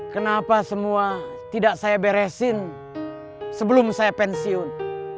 kenapa semua tidak saya beresin sebelum saya pensiun